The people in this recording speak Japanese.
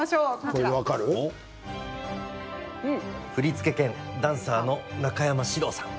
振り付け兼ダンサーの中山史郎さん。